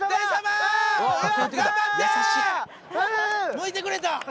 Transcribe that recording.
向いてくれた！